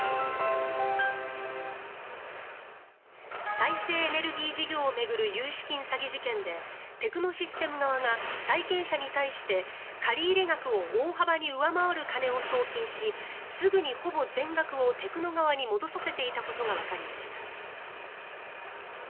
再生エネルギー事業を巡る融資金詐欺事件でテクノシステム側が債権者に対して借入額を大幅に上回る金を送金しすぐにほぼ全額を、テクノ側に戻させていたことがわかりました。